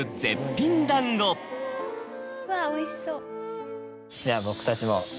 わぁおいしそう。